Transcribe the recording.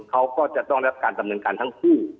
เขาก็จะต้องรับการดำเนินการทั้งคู่